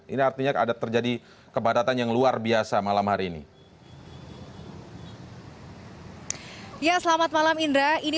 ini artinya ada terjadi kepadatan yang luar biasa malam hari ini